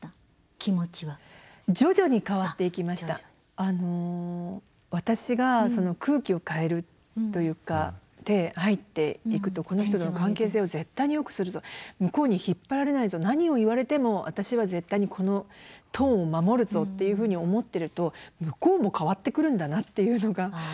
あの私が空気を変えるというかで入っていくとこの人との関係性を絶対によくするぞ向こうに引っ張られないぞ何を言われても私は絶対にこのトーンを守るぞっていうふうに思っていると向こうも変わってくるんだなっていうのが不思議なもので。